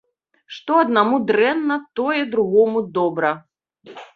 Што аднаму дрэнна, тое другому добра.